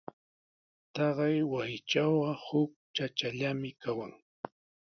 Taqay wasitrawqa huk chachallami kawan.